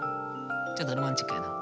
ちょっとロマンチックやな。